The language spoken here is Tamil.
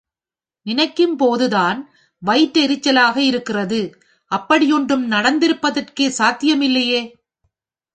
நினைக்கும்போதுதான் வயிற்றெரிச்சலாக இருக்கிறது. அப்படி ஒன்றும் நடந்திருப்பதற்கே சாத்தியமில்லையே?